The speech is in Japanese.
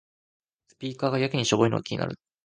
スピーカーがやけにしょぼいのが気になる